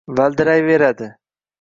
Valdirayveradi.